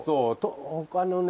他のね